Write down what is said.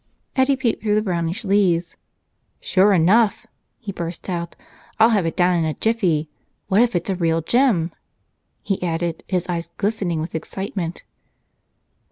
Eddie peeped through the brownish leaves. "Sure enough!" he burst out. "I'll have it down in a jiffy. What if it's a real gem," he added, his eyes glistening with excitement.